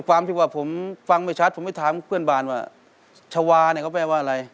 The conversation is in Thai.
ความที่ว่าผมฟังไม่ชัดผมไปถามเพื่อนบ้านว่าชาวาเนี่ยเขาแปลว่าอะไร